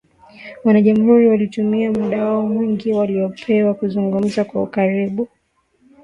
Wanajamuhuri walitumia muda wao mwingi waliopewa kuzungumza kwa ukaribu